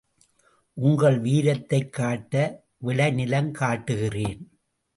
உங்கள் வீரத்தைக் காட்ட விளை நிலம் காட்டுகிறேன்.